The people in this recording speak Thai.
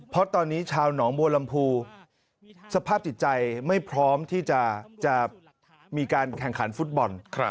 เพราะตอนนี้ชาวหนองบัวลำพูสภาพจิตใจไม่พร้อมที่จะมีการแข่งขันฟุตบอล